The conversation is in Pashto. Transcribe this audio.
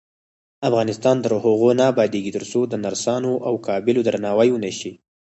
افغانستان تر هغو نه ابادیږي، ترڅو د نرسانو او قابلو درناوی ونشي.